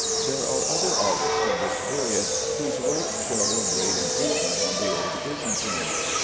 There are other artists of this period whose works show a great improvement on the old Byzantine.